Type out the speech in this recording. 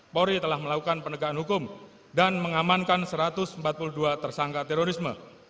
polri telah melakukan penegakan hukum dan mengamankan satu ratus empat puluh dua tersangka terorisme